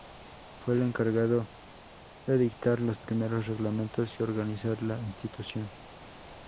Fue el encargado de dictar los primeros reglamentos y organizar la institución.